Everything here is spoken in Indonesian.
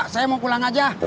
saya mau pulang aja